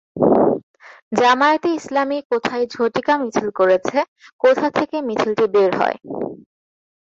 জামায়াতে ইসলামী কোথায় ঝটিকা মিছিল করেছে কোথা থেকে মিছিলটি বের হয়?